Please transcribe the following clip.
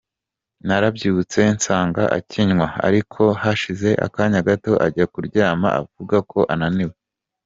Narabyutse nsaga akinywa, ariko hashize akanya gato ajya kuryama avuga ko ananiwe.